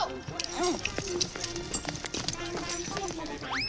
うん。